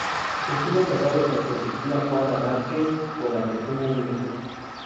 Estuvo casado con Josefina Cuadra Márquez, con la que tuvo un hijo.